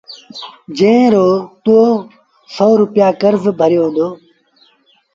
جݩهݩ رو تو سو روپيآ ڪرز ڀريو هُݩدو